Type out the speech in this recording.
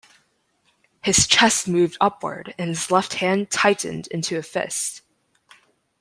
His chest moved upward and his left hand tightened into a fist.